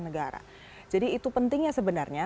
negara jadi itu pentingnya sebenarnya